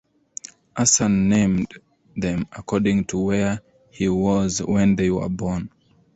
Assan named them according to where he was when they were born.